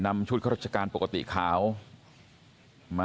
ไม่จ่างครับ